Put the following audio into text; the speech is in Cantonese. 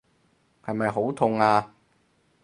係咪好痛啊？